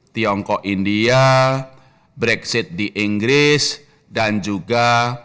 tiongkok india brexit di inggris dan juga